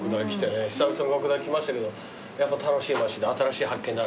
久々に学大来ましたけどやっぱ楽しい街で新しい発見だらけで。